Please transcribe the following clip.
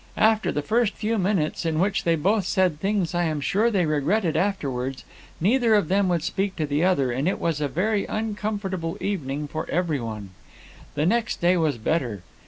After the first few minutes, in which they both said things I am sure they regretted afterwards, neither of them would speak to the other, and it was a very uncomfortable evening for every one. The next day was better.